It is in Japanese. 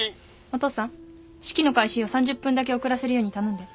お父さん式の開始を３０分だけ遅らせるように頼んで。